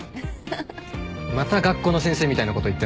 また学校の先生みたいなこと言ってます。